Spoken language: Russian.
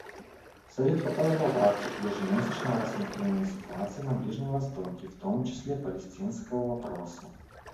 Совет продолжал практику ежемесячного рассмотрения ситуации на Ближнем Востоке, в том числе палестинского вопроса.